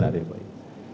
benar ya baik